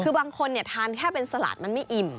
คือบางคนทานแค่เป็นสลาดมันไม่อิ่ม